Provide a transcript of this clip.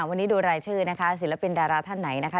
วันนี้ดูรายชื่อนะคะศิลปินดาราท่านไหนนะคะ